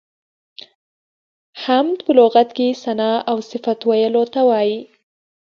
حمد په لغت کې ثنا او صفت ویلو ته وایي.